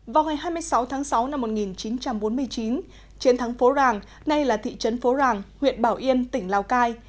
vào ngày hai mươi sáu tháng sáu năm một nghìn chín trăm bốn mươi chín chiến thắng phố ràng nay là thị trấn phố ràng huyện bảo yên tỉnh lào cai